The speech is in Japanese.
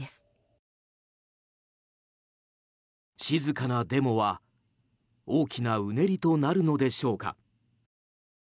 「静かなデモ」は大きなうねりとなるのでしょうか。